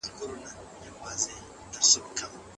ميرمن له خاوند څخه ميراث وړلای سي.